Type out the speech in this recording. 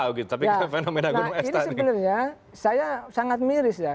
nah ini sebenarnya saya sangat miris ya